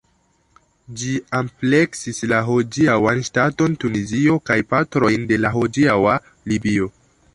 Ĝi ampleksis la hodiaŭan ŝtaton Tunizio kaj partojn de la hodiaŭa Libio.